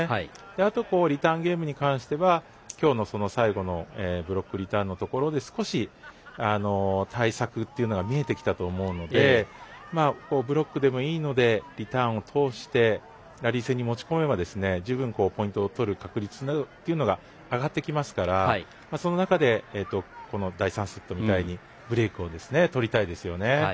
あと、リターンゲームに関しては今日の最後のブロックリターンのところで少し対策というのが見えてきたと思うのでブロックでもいいのでリターンを通してラリー戦に持ち込めば十分、ポイントを取る確率が上がってきますからその中で第３セットみたいにブレークをとりたいですよね。